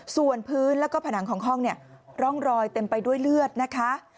ส่วนพื้นแล้วก็ผนังของห้องเนี่ยร่องรอยเต็มไปด้วยเลือดนะคะ